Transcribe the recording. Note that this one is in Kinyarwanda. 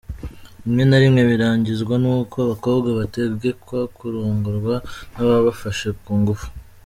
Rimwe na rimwe, birangizwa n'uko abakobwa bategekwa kurongorwa n'ababafashe ku ngufu.